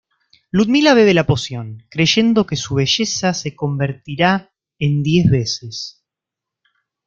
Ludmilla bebe la poción, creyendo que su belleza se convertirá en diez veces.